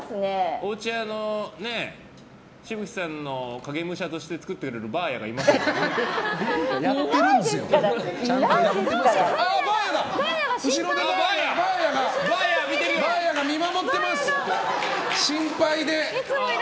おうちは、紫吹さんの影武者として作ってくれるいないですから！